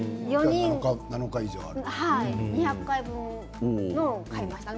７日以上ある？。